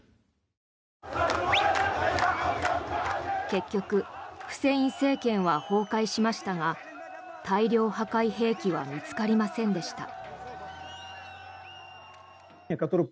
結局フセイン政権は崩壊しましたが大量破壊兵器は見つかりませんでした。